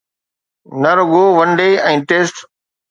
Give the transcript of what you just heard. نه رڳو one day ۽ test